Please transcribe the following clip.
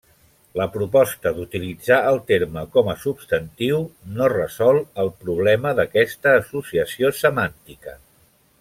La proposta d'utilitzar el terme com a substantiu no resol el problema d'aquesta associació semàntica.